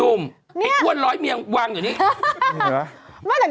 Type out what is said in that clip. เป็นการกระตุ้นการไหลเวียนของเลือด